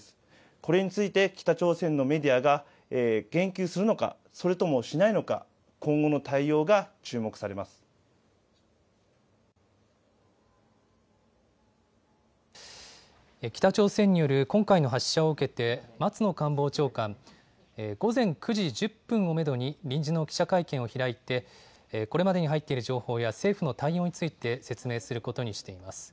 これについて北朝鮮のメディアが、言及するのか、それともしないの北朝鮮による今回の発射を受けて、松野官房長官、午前９時１０分をメドに臨時の記者会見を開いて、これまでに入っている情報や政府の対応について説明することにしています。